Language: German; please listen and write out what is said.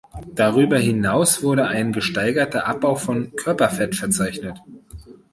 Darüber hinaus wurde ein gesteigerter Abbau von Körperfett verzeichnet.